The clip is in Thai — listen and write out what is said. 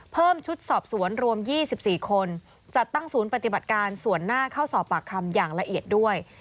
ชุดสอบสวนรวม๒๔คนจัดตั้งศูนย์ปฏิบัติการส่วนหน้าเข้าสอบปากคำอย่างละเอียดด้วย